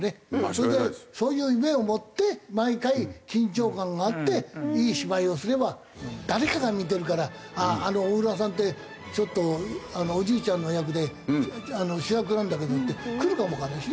それでそういう夢を持って毎回緊張感があっていい芝居をすれば誰かが見てるから「あの大浦さんってちょっとおじいちゃんの役で主役なんだけど」ってくるかもわかんないしね。